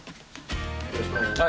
よろしくお願いします。